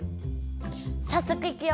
さっそくいくよ。